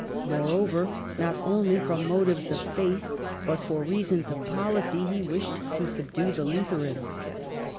Moreover, not only from motives of faith but for reasons of policy he wished to subdue the Lutherans.